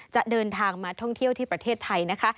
จะเดินทางมาท่องเที่ยวที่ประเทศไทยนะคะ